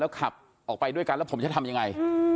ขับออกไปด้วยกันแล้วผมจะทำยังไง